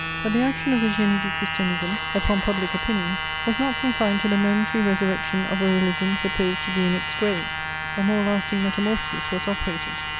But the action of the Génie du Christianisme upon public opinion was not confined to the momentary resurrection of a religion supposed to be in its grave: a more lasting metamorphosis was operated.